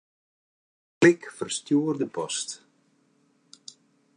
Klik Ferstjoerde post.